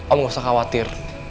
om gak usah khawatir